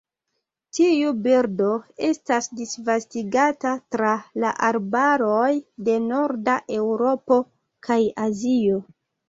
Tiu birdo estas disvastigata tra la arbaroj de norda Eŭropo kaj Azio.